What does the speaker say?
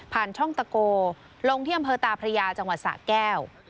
ช่องตะโกลงที่อำเภอตาพระยาจังหวัดสะแก้ว